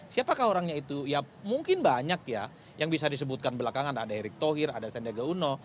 siapakah orangnya itu ya mungkin banyak ya yang bisa disebutkan belakangan ada erick thohir ada sandiaga uno